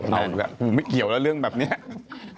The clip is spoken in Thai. ไม่เกี่ยวแล้วเรื่องแบบนี้ครับครับครับครับครับครับ